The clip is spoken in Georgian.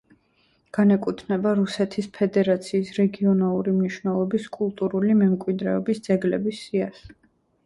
განეკუთვნება რუსეთის ფედერაციის რეგიონალური მნიშვნელობის კულტურული მემკვიდრეობის ძეგლების სიას.